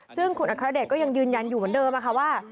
ซึ่งคุณอัครเดชก็ยังยืนยันอยู่เหมือนเดิมค่ะว่า